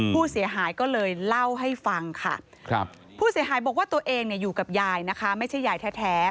ผู้เสียหายบอกว่าตัวเองอยู่กับยายนะคะไม่ใช่ยายแท้